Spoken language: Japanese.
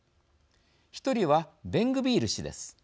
１人は、ベングビール氏です。